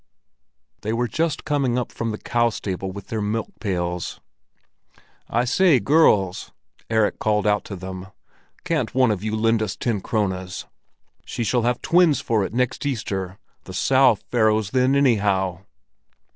They were just coming up from the cow stable with their milk pails. "I say, girls," Erik called out to them. "Can't one of you lend us ten krones? She shall have twins for it next Easter; the sow farrows then anyhow."